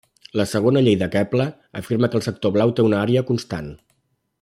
La segona llei de Kepler afirma que el sector blau té una àrea constant.